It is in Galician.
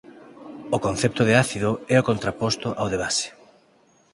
O concepto de ácido é o contraposto ao de base.